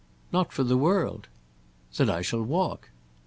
"Not for the world." "Then I shall walk."